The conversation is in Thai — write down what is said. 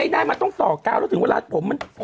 มันต่อกาวมันต่อกาวแบบ